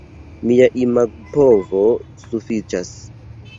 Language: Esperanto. Mia imagpovo sufiĉas.